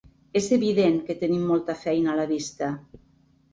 És evident que tenim molta feina a la vista.